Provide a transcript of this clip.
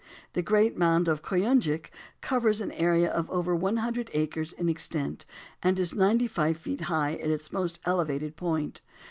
The great mound of Koyunjik covers an area of over one hundred acres in extent, and is ninety five feet high at its most elevated point.